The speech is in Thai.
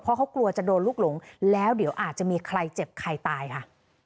เพราะเขากลัวจะโดนลูกหลงแล้วเดี๋ยวอาจจะมีใครเจ็บใครตายค่ะ